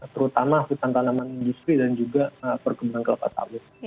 terutama hutan tanaman industri dan juga perkebunan kelapa sawit